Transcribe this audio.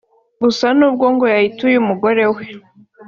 Gusa nubwo ngo yayituye umugore we